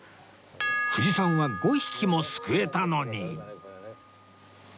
藤さんは５匹もすくえたのに